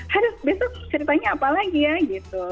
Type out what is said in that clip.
harus besok ceritanya apa lagi ya gitu